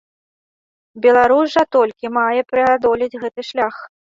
Беларусь жа толькі мае пераадолець гэты шлях.